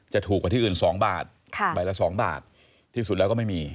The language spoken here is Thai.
ถูกกว่าที่อื่น๒บาทใบละ๒บาทที่สุดแล้วก็ไม่มี